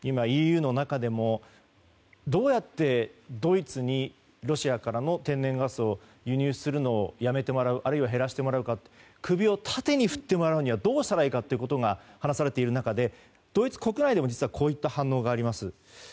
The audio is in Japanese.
今、ＥＵの中でもどうやってドイツにロシアからの天然ガスを輸入するのをやめてもらうあるいは減らしてもらうか首を縦に振ってもらうにはどうしたらいいかというのが話されている中でドイツ国内でも実はこういった反応があります。